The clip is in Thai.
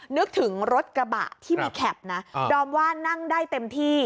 นึกถึงรถกระบะที่มีแคปนะดอมว่านั่งได้เต็มที่